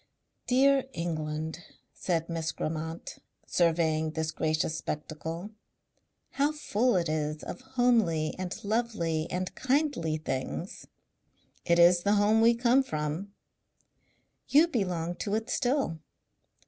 "Dear England!" said Miss Grammont, surveying this gracious spectacle. "How full it is of homely and lovely and kindly things!" "It is the home we come from." "You belong to it still."